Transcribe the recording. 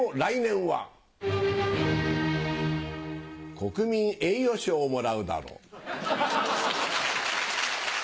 国民栄誉賞をもらうだろう。